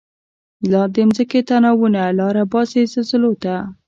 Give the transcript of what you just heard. لا دځمکی تناوونه، لاره باسی زلزلوته